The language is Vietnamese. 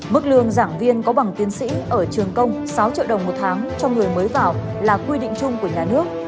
mức lương giảng viên có bằng tiến sĩ ở trường công sáu triệu đồng một tháng cho người mới vào là quy định chung của nhà nước